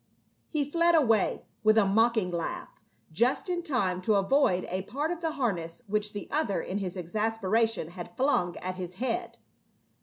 He fled away, with a mocking laugh, just in time to avoid a part of the harness which the other in his exasperation had flung at his head.